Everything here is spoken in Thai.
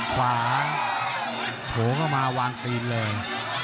ขวาโผล่เข้ามาวางปีนเลย